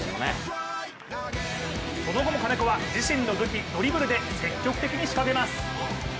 その後も金子は、自身の武器・ドリブルで積極的に仕掛けます。